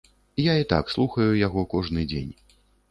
Я і так слухаю яго кожны дзень.